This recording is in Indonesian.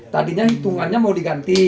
tadinya hitungannya mau diganti